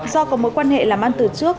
do có mối quan hệ làm ăn từ trước